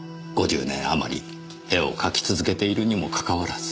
５０年あまり絵を描き続けているにもかかわらず。